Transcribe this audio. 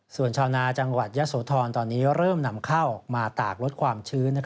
ส่วนชาวนาจังหวัดยะโสธรตอนนี้เริ่มนำข้าวออกมาตากลดความชื้น